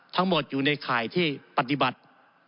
ทั้งหมดอยู่ในข่ายที่ปฏิบัติ